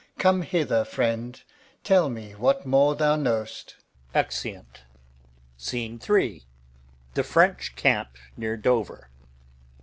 Come hither, friend. Tell me what more thou know'st. Exeunt. Scene III. The French camp near Dover.